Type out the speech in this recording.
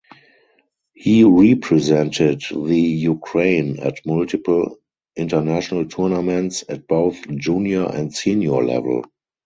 He represented the Ukraine at multiple international tournaments at both junior and senior level.